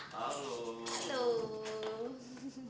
kalau misalnya selama berikutnya kita ternyata terserah